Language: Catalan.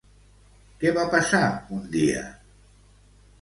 Què va passar un dia?